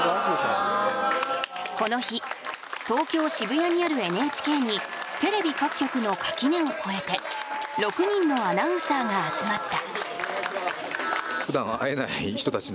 この日東京渋谷にあるＮＨＫにテレビ各局の垣根を越えて６人のアナウンサーが集まった。